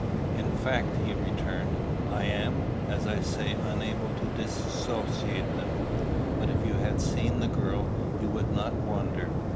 "In fact," he returned, "I am, as I say, unable to dissociate them. But if you had seen the girl, you would not wonder.